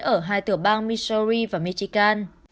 ở hai tửa bang missouri và michigan